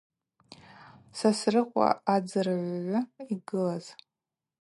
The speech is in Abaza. Сосрыкъва адзыргӏвгӏвы йгылаз.